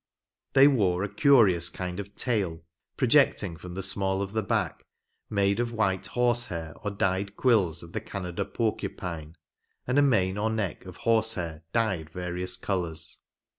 They wore a curious kind of \ 'V'f ^ 1 16 THE ORIGINAL GAME. tail, projecting from the small of the back, made of white horse hair or dyed quills of the Canada porcupine, and a mane or neck of horse hair dyed various colors.